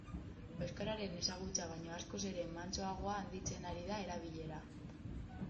Euskararen ezagutza baino askoz ere mantsoago handitzen ari da erabilera.